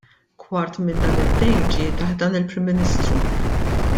Kwart minn dan id-dejn ġie taħt dan il-Prim Ministru.